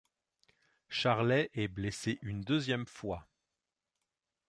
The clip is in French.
Charlet est blessé une deuxième fois.